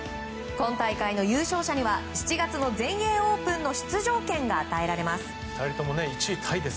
今大会の優勝者には７月の全英オープンの出場権が与えられます。